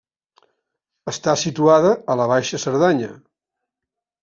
Està situada a la Baixa Cerdanya.